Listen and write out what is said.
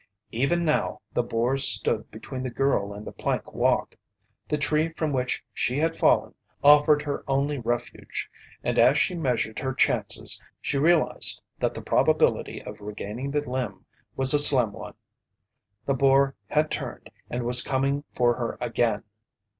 Even now, the boar stood between the girl and the plank walk. The tree from which she had fallen, offered her only refuge, and as she measured her chances, she realized that the probability of regaining the limb was a slim one. The boar had turned and was coming for her again.